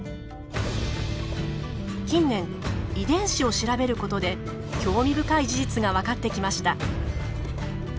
近年遺伝子を調べることで興味深い事実がわかってきました。